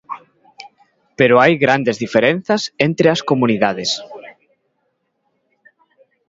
Pero hai grandes diferenzas entre as comunidades.